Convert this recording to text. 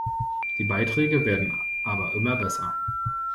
Die Beiträge werden aber immer besser.